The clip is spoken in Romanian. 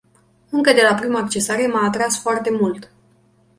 Încă de la prima accesare m-a atras foarte mult.